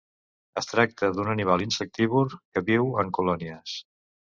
Es tracta d'un animal insectívor que viu en colònies.